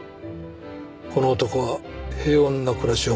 この男は平穏な暮らしを求めた。